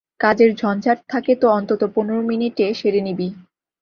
কাজের ঝঞ্ঝাট থাকে তো অন্তত পনর মিনিটে সেরে নিবি।